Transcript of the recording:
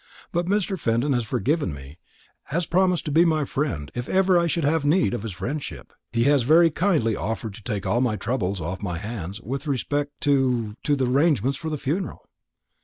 But Mr. Fenton has forgiven me; has promised to be my friend, if ever I should have need of his friendship. He has very kindly offered to take all trouble off my hands with respect to to the arrangements for the funeral."